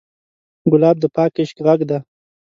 ګلاب د پاک عشق غږ دی.